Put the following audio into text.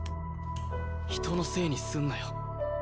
人のせいにするなよ。